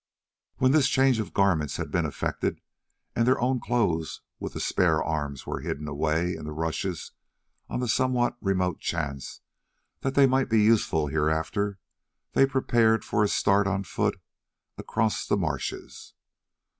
When this change of garments had been effected, and their own clothes with the spare arms were hidden away in the rushes on the somewhat remote chance that they might be useful hereafter, they prepared for a start on foot across the marshes.